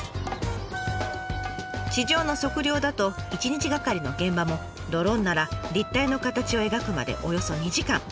地上の測量だと一日がかりの現場もドローンなら立体の形を描くまでおよそ２時間。